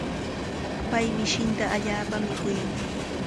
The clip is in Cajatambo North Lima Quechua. Pay mishinta allaapami kuyan.